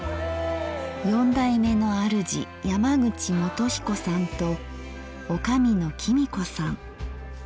四代目のあるじ山口元彦さんと女将の公子さん。